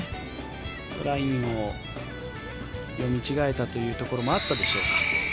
ラインを読み違えたというところもあったでしょうか。